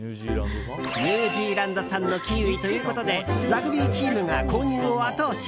ニュージーランド産のキウイということでラグビーチームが購入を後押し。